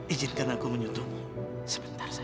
ijinkan aku menyentuh sebentar saja